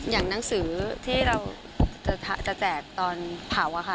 อย่างหนังสือที่เราจะแจกตอนเผาอะค่ะ